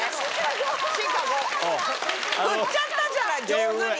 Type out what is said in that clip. シカゴ振っちゃったじゃない上手に。